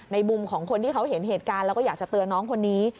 มุมของคนที่เขาเห็นเหตุการณ์แล้วก็อยากจะเตือนน้องคนนี้